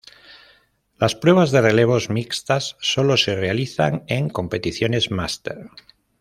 Las pruebas de relevos mixtas solo se realizan en competiciones Máster.